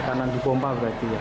tekanan di pompa berarti ya